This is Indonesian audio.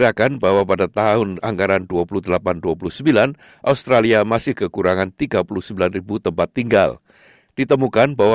dalam perbandingan dengan beberapa kualifikasi universitas